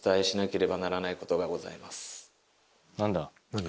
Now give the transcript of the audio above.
何だ？